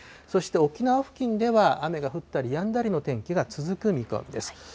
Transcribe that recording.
そして沖縄付近では、雨が降ったりやんだりの天気が続く見込みです。